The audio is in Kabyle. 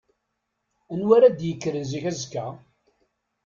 Anwa ara d-yekkren zik azekka?